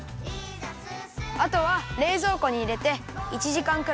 あとはれいぞうこにいれて１じかんくらいかためるよ。